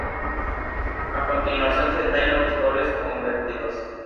A continuación se detallan los goles convertidos.